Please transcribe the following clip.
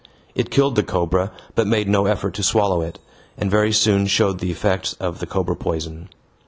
It killed the cobra but made no effort to swallow it, and very soon showed the effects of the cobra poison.